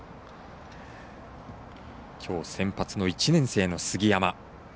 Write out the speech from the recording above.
きょう、先発の１年生の杉山。